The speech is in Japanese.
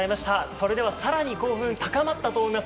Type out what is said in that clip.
それでは更に興奮が高まったと思います